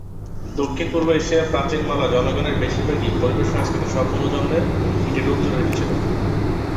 দক্ষিণ-পূর্ব এশিয়ার প্রাচীন মালয় জনগণের বেশিরভাগই পরিবেশ-সংস্কৃতি স্ব-পুনর্জন্মের একটি রূপ ধরে রেখেছিল।